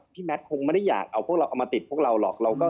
พี่แมทคงไม่ได้อยากเอามาติดพวกเราหรอก